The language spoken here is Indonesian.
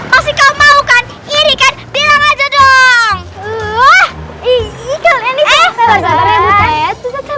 masih kau mau kan irikan bilang aja dong wah ih ini tuh selamat kepada engkau perintis lia